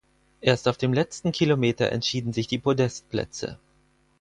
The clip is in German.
Erst auf dem letzten Kilometer entschieden sich die Podestplätze.